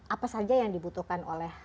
apa saja yang dibutuhkan oleh